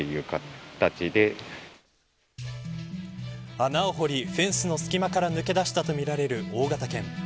穴を掘りフェンスの隙間から抜け出したとみられる大型犬。